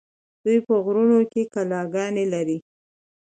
دوی په غرونو کې کلاګانې لرلې